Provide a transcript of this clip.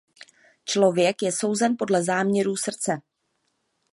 Člověk je souzen podle záměrů srdce.